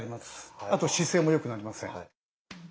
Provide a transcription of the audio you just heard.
あと姿勢もよくなりません。